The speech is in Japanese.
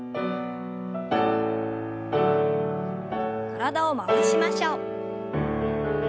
体を回しましょう。